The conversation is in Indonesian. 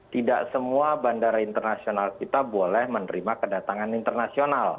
tidak semua bandara internasional kita boleh menerima kedatangan internasional